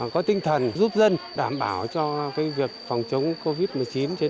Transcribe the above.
có tinh thần giúp dân đảm bảo cho cái việc phòng chống của vít một mươi chín trên địa bàn